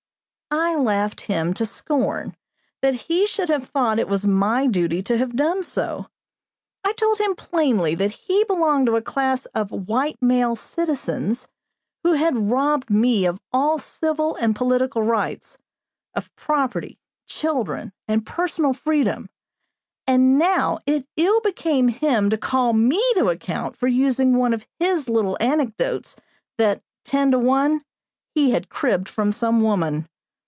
I laughed him to scorn, that he should have thought it was my duty to have done so. I told him plainly that he belonged to a class of "white male citizens," who had robbed me of all civil and political rights; of property, children, and personal freedom; and now it ill became him to call me to account for using one of his little anecdotes that, ten to one, he had cribbed from some woman.